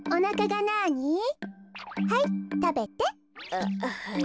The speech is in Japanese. あっはい。